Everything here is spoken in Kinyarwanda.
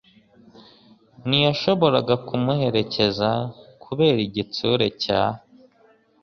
ntiyashoboraga kumuherekeza kubera igitsure cya